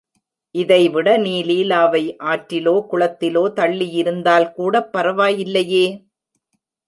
இதைவிட நீ லீலாவை ஆற்றிலோ குளத்திலோ தள்ளியிருந்தால் கூடப் பரவாயில்லையே!